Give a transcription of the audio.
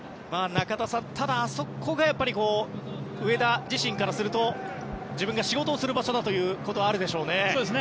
中田さん、ただあそこが上田自身からすると自分が仕事をする場所だというのはあるでしょうね。